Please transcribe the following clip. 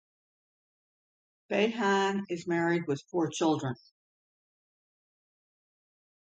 Behan is married with four children.